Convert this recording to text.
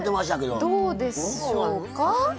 どうでしょうか？